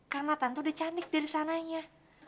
karena tante udah cantik dari sananya